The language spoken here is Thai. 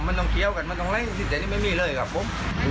มันต้องเคี้ยวกันมันต้องอะไรแต่นี่ไม่มีเลยครับผม